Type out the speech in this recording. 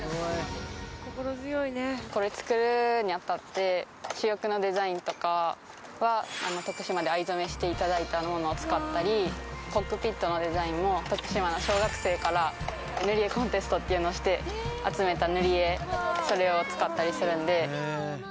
これ作るにあたって主翼のデザインとかは徳島で藍染していただいたものを使ったりコックピットのデザインも徳島の小学生からぬりえコンテストっていうのをして集めたぬりえそれを使ったりするんで。